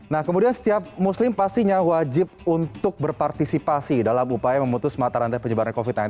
nah kemudian setiap muslim pastinya wajib untuk berpartisipasi dalam upaya memutus mata rantai penyebaran covid sembilan belas